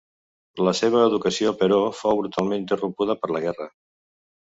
La seva educació, però, fou brutalment interrompuda per la guerra.